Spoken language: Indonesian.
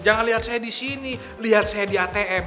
jangan lihat saya di sini lihat saya di atm